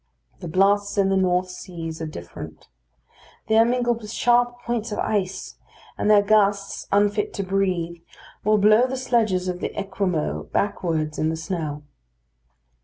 The blasts in the north seas are different. They are mingled with sharp points of ice; and their gusts, unfit to breathe, will blow the sledges of the Esquimaux backwards in the snow.